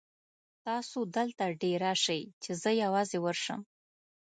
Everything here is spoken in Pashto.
تاسو دلته دېره شئ چې زه یوازې ورشم.